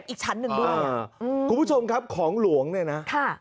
อีกชั้นหนึ่งด้วยคุณผู้ชมครับของหลวงเนี่ยนะค่ะ